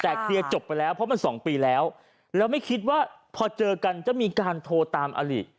แต่เคลียร์จบไปแล้วเพราะมันสองปีแล้วแล้วไม่คิดว่าพอเจอกันจะมีการโทรตามอลิ